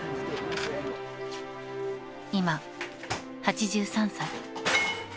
今、８３歳。